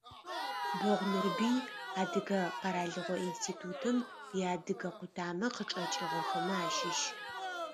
Бэгъ Нурбый, Адыгэ къэралыгъо институтым иадыгэ къутамэ къычӏэкӏыгъэхэмэ ащыщ.